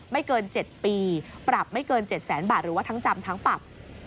ไม่เกิน๗ปีปรับไม่เกิน๗แสนบาทหรือว่าทั้งจำทั้งปรับ